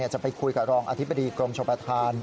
จะไปคุยกับรองอธิบดีกรมชมประธาน